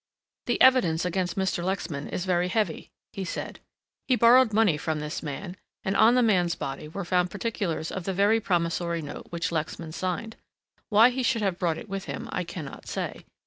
"The evidence against Mr. Lexman is very heavy," he said. "He borrowed money from this man, and on the man's body were found particulars of the very Promissory Note which Lexman signed. Why he should have brought it with him, I cannot say.